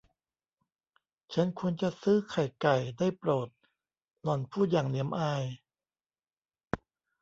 ฉันควรจะซื้อไข่ไก่ ได้โปรด หล่อนพูดอย่างเหนียมอาย